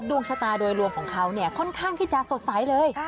ดวงชะตาโดยรวมของเขาเนี่ยค่อนข้างที่จะสดใสเลย